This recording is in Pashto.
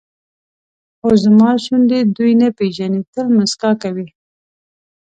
خو زما شونډې دوی نه پېژني تل موسکا کوي.